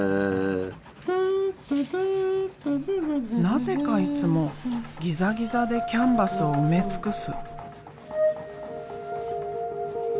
なぜかいつもギザギザでキャンバスを埋め尽くす。